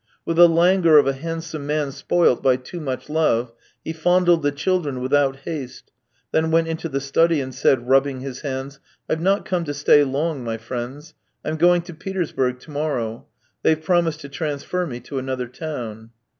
With the languor of a handsome man spoilt by too much love, he fondled the children without haste, then went into the study and said, rubbing his hands: I've not come to stay long, my friends. I'm going to Petersburg to morrow. They've promised to transfer me to another town."